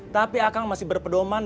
tapi akang masih berpedoman